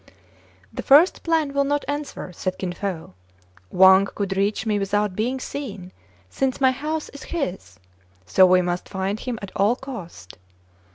" The first plan will not answer," said Kin Fo. '* Wang could reach me without being seen, since my house is his : so we must find him at all cost."